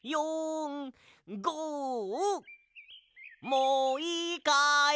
もういいかい？